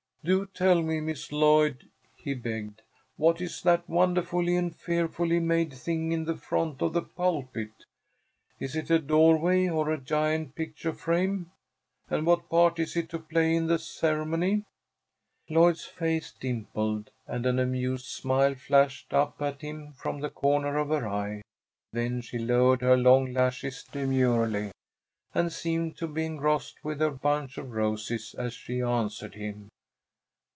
"Do tell me, Miss Lloyd," he begged, "what is that wonderfully and fearfully made thing in the front of the pulpit? Is it a doorway or a giant picture frame? And what part is it to play in the ceremony?" Lloyd's face dimpled, and an amused smile flashed up at him from the corner of her eye. Then she lowered her long lashes demurely, and seemed to be engrossed with her bunch of roses as she answered him.